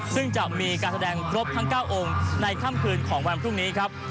ซึ่งจะมีการแสดงครบทั้ง๙องค์ในค่ำคืนของวันพรุ่งนี้ครับ